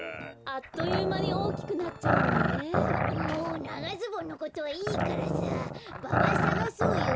あっというまにおおきくなっちゃうのね。ももうながズボンのことはいいからさババさがそうよ！